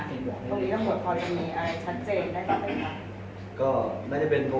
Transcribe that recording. ตรงนี้ทั้งหมดพอจะมีอะไรชัดเจนได้ประเทศภาพ